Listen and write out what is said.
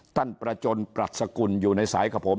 ท่านประจนปรัชกุลอยู่ในสายกับผม